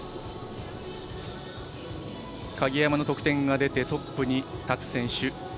鍵山の得点が出てトップに立つ選手